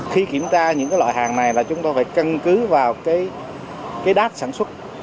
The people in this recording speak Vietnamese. khi kiểm tra những loại hàng này là chúng ta phải cân cứ vào cái đát sản xuất